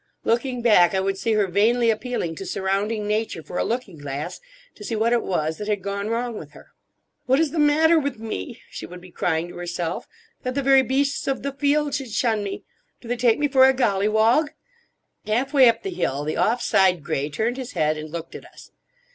Looking back I would see her vainly appealing to surrounding nature for a looking glass to see what it was that had gone wrong with her. "What is the matter with me," she would be crying to herself; "that the very beasts of the field should shun me? Do they take me for a gollywog?" Halfway up the hill, the off side grey turned his head and looked at us.